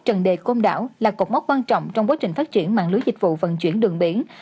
trần đề côn đảo là cột mốc quan trọng trong quá trình phát triển mạng lưới dịch vụ vận chuyển đường biển